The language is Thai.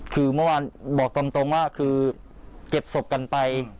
คือเมื่อวานบอกตรงว่าคือเก็บศพกันไป